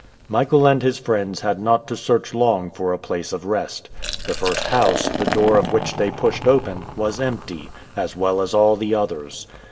Michael and his friends had not to search long for a place of rest. The first house, the door of which they pushed open, was empty, as well as all the others.